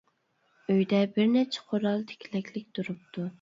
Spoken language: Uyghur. ئۆيدە بىر نەچچە قورال تىكلەكلىك تۇرۇپتۇ.